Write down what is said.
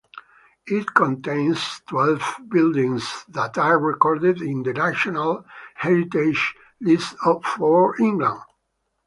It contains twelve buildings that are recorded in the National Heritage List for England.